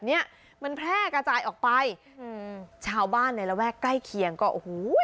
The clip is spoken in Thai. เนี้ยมันแพร่กระจายออกไปอืมชาวบ้านในระแวกใกล้เคียงก็โอ้โห